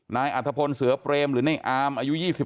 อัธพลเสือเปรมหรือในอามอายุ๒๓